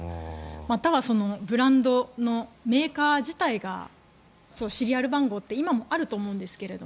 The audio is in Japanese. またはブランドのメーカー自体はシリアル番号って今もあると思うんですけど